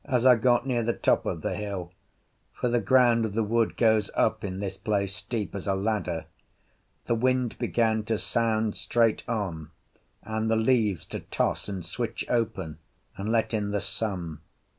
As I got near the top of the hill, for the ground of the wood goes up in this place steep as a ladder, the wind began to sound straight on, and the leaves to toss and switch open and let in the sun.